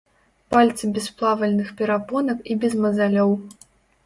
Пальцы без плавальных перапонак і без мазалёў.